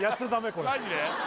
これマジで？